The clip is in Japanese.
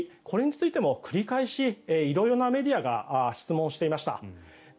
これについても繰り返し色々なメディアが質問をしていました。